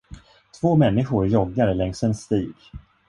Två människor joggar längs en stig.